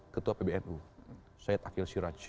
ketua pbnu syed akhil siraj